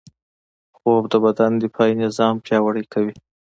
خوب د بدن دفاعي نظام پیاوړی کوي